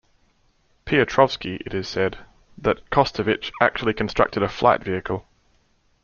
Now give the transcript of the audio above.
Piotrovski it is said, that Kostović actually constructed a flight vehicle.